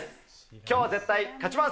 きょうは絶対勝ちます。